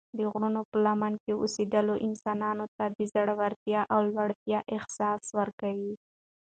د غرونو په لمنو کې اوسېدل انسان ته د زړورتیا او لوړتیا احساس ورکوي.